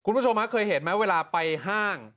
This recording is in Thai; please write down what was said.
คุณผู้ชมเคยเห็นไหมเวลาไปห้าง